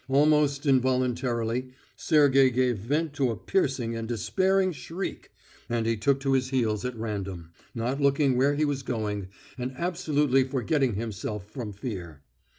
Almost involuntarily Sergey gave vent to a piercing and despairing shriek, and he took to his heels at random, not looking where he was going, and absolutely forgetting himself from fear.